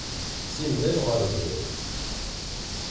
Simmal ɣer zdat.